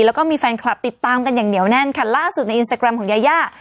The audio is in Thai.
แล้วก็มีแฟนคลับติดตามกันอย่างเหนียวแน่นค่ะล่าสุดในอินสตาแกรมของยาย่า